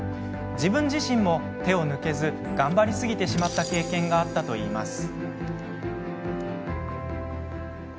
自分自身も、手を抜けず頑張りすぎてしまった経験があったといいます。